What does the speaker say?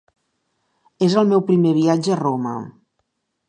És el meu primer viatge a Roma.